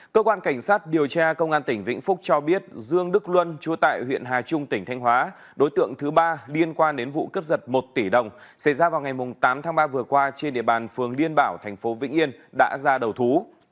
cơ quan cảnh sát điều tra công an tỉnh vĩnh phúc cho biết dương đức luân chúa tại huyện hà trung tỉnh thanh hóa đối tượng thứ ba liên quan đến vụ cướp giật một tỷ đồng xảy ra vào ngày tám tháng ba vừa qua trên địa bàn phường liên bảo thành phố vĩnh yên đã ra đầu thú